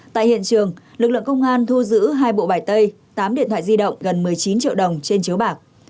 tại hiện trường lực lượng công an thu giữ hai bộ bài tay tám điện thoại di động gần một mươi chín triệu đồng trên chiếu bạc